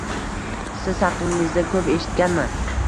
Siz haqingizda ko'p eshitganman.